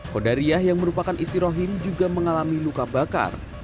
kodariah yang merupakan istri rohim juga mengalami luka bakar